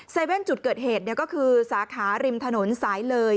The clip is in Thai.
เว่นจุดเกิดเหตุก็คือสาขาริมถนนสายเลย